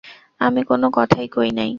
আমি কোন কথাই কই নাই।